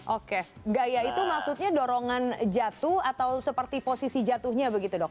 oke gaya itu maksudnya dorongan jatuh atau seperti posisi jatuhnya begitu dok